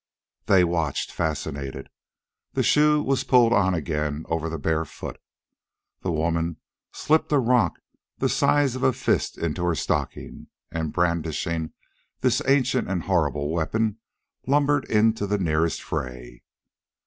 They watched, fascinated. The shoe was pulled on again over the bare foot. Then the woman slipped a rock the size of her fist into the stocking, and, brandishing this ancient and horrible weapon, lumbered into the nearest fray.